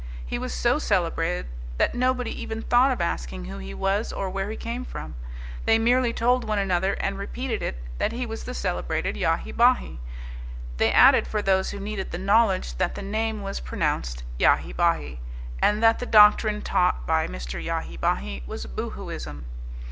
He was so celebrated that nobody even thought of asking who he was or where he came from. They merely told one another, and repeated it, that he was the celebrated Yahi Bahi. They added for those who needed the knowledge that the name was pronounced Yahhy Bahhy, and that the doctrine taught by Mr. Yahi Bahi was Boohooism.